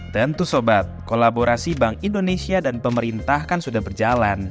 tentu sobat kolaborasi bank indonesia dan pemerintah kan sudah berjalan